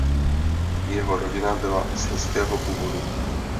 Jeho rodina byla slezského původu.